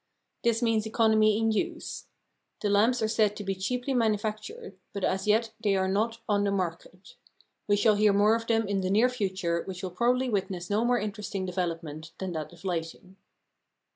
This means economy in use. The lamps are said to be cheaply manufactured, but as yet they are not "on the market." We shall hear more of them in the near future, which will probably witness no more interesting development than that of lighting.